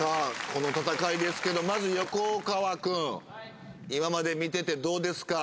この戦いですけどまず横川くんはい今まで見ててどうですか？